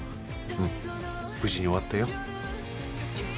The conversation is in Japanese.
うん無事に終わったよ。